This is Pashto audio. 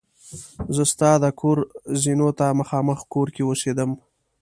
زه ستا د کور زینو ته مخامخ کور کې اوسېدم.